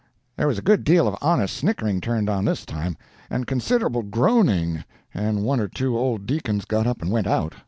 "There was a good deal of honest snickering turned on this time, and considerable groaning, and one or two old deacons got up and went out.